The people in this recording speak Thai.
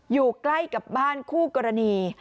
อยู่ใกล้กับบ้านคู่กรณี